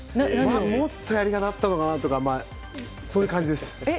もっとやり方があったのかなとかそういう感じです。